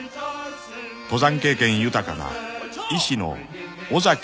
［登山経験豊かな医師の尾崎勇造］